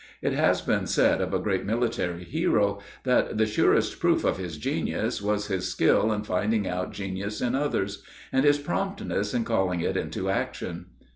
It has been said of a great military hero that the surest proof of his genius was his skill in finding out genius in others, and his promptness in calling it into action.